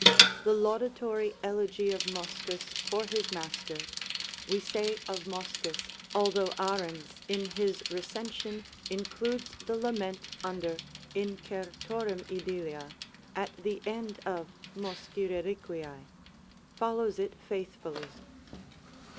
The laudatory clegy of Moschus for his master we say of Moschus, although Ahrens, in his recension, includes the lament under 'Incertorum Idyllia' at the end of 'Moschi Reliquiæ' follows it faithfully.